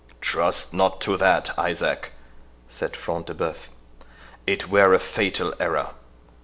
"Trust not to that, Isaac," said Front de Bœuf, "it were a fatal error.